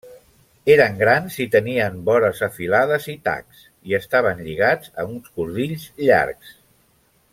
Eren grans i tenien vores afilades i tacs, i estaven lligats a uns cordills llargs.